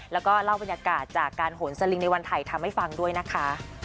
แล้วก็ล็อตบุญกาจจากการหนสลิงในวันไทยทำให้ฟังด้วยนะคะ